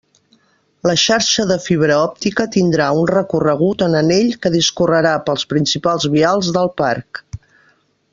La xarxa de fibra òptica tindrà un recorregut en anell que discorrerà pels principals vials del parc.